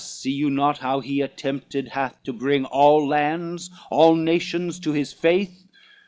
see you not, how he attempted hath To bring all lands, all nations to his faith?